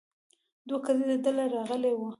دوه کسیزه ډله راغلې وه.